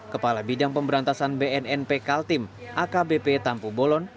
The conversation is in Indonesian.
kepala bidang pemberantasan bnnp kaltim akbp tampu bolon